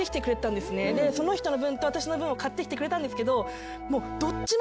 でその人の分と私の分を買ってきてくれたんですけどもうどっちも。